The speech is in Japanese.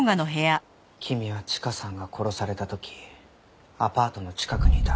君はチカさんが殺された時アパートの近くにいた。